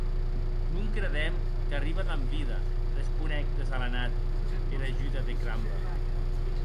Non credem qu’arribe damb vida, responec desalenat er ajuda de cramba.